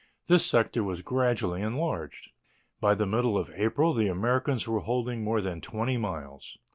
This sector was gradually enlarged. By the middle of April the Americans were holding more than twenty miles.